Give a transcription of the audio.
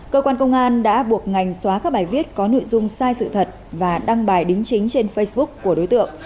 cơ quan công an đã buộc ngành xóa các bài viết có nội dung sai sự thật và đăng bài đính chính trên facebook của đối tượng